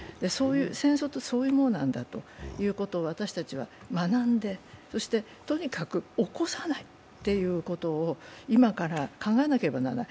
戦争ってそういうものなんだということを私たちは学んで、そしてとにかく起こさないっていうことを、今から考えなければならない。